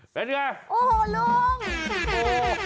เป็นไงโอ้โหลุงโอ้โห